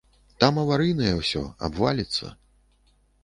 Там аварыйнае ўсё, абваліцца.